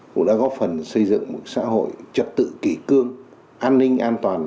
cũng đã góp phần xây dựng một xã hội trật tự kỷ cương an ninh an toàn